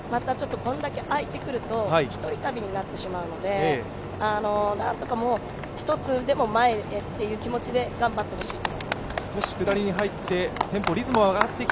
これだけ開いてくると１人旅になってしまうので何とか１つでも前へっていう気持ちで頑張ってほしいと思います。